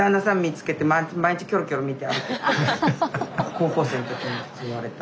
高校生の時に言われた。